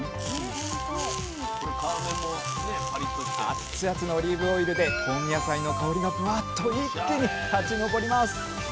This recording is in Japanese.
熱々のオリーブオイルで香味野菜の香りがブワッと一気に立ちのぼります